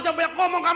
jauh jauh seperti nak